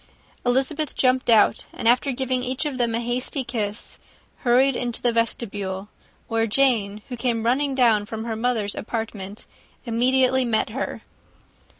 Elizabeth jumped out; and after giving each of them a hasty kiss, hurried into the vestibule, where Jane, who came running downstairs from her mother's apartment, immediately met her.